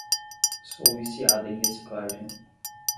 Sou viciada em reciclagem.